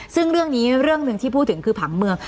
ซึ่งเรื่องนี้เรื่องหนึ่งที่พูดถึงคือผังเมือง